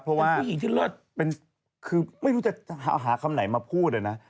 เพราะว่าคือไม่รู้จะหาคำไหนมาพูดเลยนะ